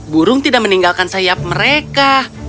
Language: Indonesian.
burung tidak meninggalkan sayap mereka